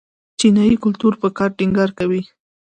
چینايي کلتور پر کار ټینګار کوي.